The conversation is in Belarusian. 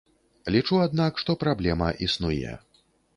Лічу, аднак, што праблема існуе.